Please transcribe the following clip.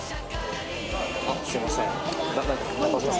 あっすいません。